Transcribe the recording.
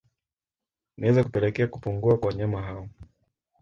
Inaweza kupelekea kupungua kwa wanyama hao